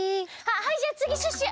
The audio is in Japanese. はいじゃあつぎシュッシュ。